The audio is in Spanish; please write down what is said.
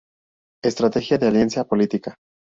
Estrategia de alianza política.